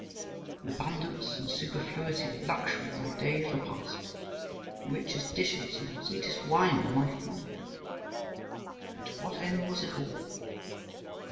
In abundance and superfluity of luxury my days were passed, the richest dishes and the sweetest wine were my food. And to what end was it all?